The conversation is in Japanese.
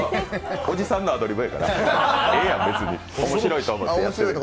おじさんのアドリブやからええやん。